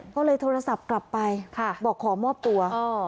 ก็เลยโทรศัพท์กลับไปบอกขอมอบตัว